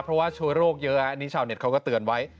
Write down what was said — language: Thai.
เพราะว่าเชื้อโรคเยอะอันนี้ชาวเน็ตเขาก็เตือนไว้